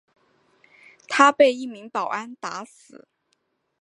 他被一名保安打死。